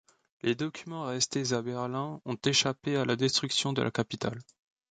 Les documents restés à Berlin ont échappé à la destruction de la capitale.